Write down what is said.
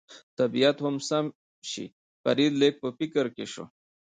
طبیعت هم سم شي، فرید لږ په فکر کې شو.